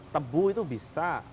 tebu itu bisa